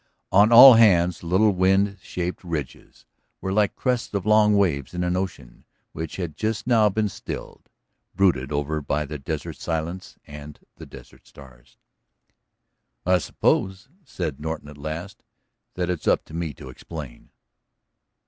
On all hands little wind shaped ridges were like crests of long waves in an ocean which had just now been stilled, brooded over by the desert silence and the desert stars. "I suppose," said Norton at last, "that it's up to me to explain."